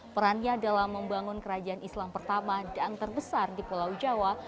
perannya dalam membangun kerajaan islam pertama dan terbesar di pulau jawa